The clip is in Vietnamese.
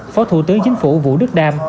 phó thủ tướng chính phủ vũ đức đam